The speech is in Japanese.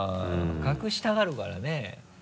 隠したがるからね。